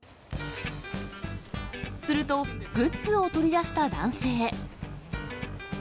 すると、グッズを取り出した男性。